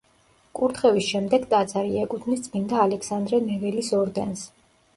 კურთხევის შემდეგ ტაძარი ეკუთვნის წმინდა ალექსანდრე ნეველის ორდენს.